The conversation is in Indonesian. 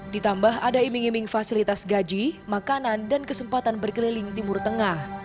ditambah ada iming iming fasilitas gaji makanan dan kesempatan berkeliling timur tengah